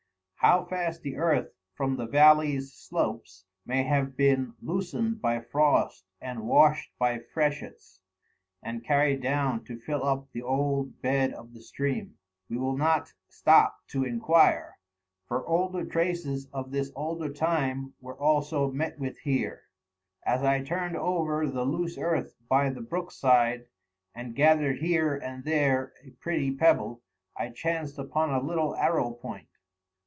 How fast the earth from the valley's slopes may have been loosened by frost and washed by freshets, and carried down to fill up the old bed of the stream, we will not stop to enquire; for older traces of this older time were also met with here. As I turned over the loose earth by the brook side, and gathered here and there a pretty pebble, I chanced upon a little arrow point.